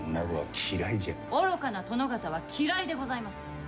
愚かな殿方は嫌いでございます。